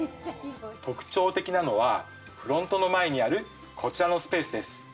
特徴的なのは、フロントの前にある、こちらのスペースです。